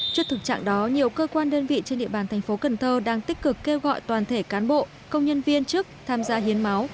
trước thực trạng đó nhiều cơ quan đơn vị trên địa bàn thành phố cần thơ đang tích cực kêu gọi toàn thể cán bộ công nhân viên chức tham gia hiến máu